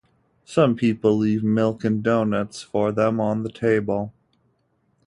Some people leave milk and doughnuts for them on the table.